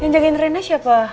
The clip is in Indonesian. yang jagain rene siapa